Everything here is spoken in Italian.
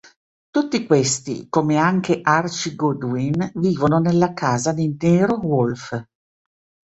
Tutti questi, come anche Archie Goodwin, vivono nella casa di Nero Wolfe.